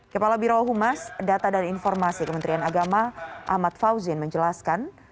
kepala birohumas data dan informasi kementerian agama ahmad fauzin menjelaskan